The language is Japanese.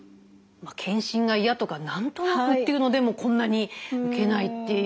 「検診がいや」とか「なんとなく」っていうのでもこんなに受けないっていう。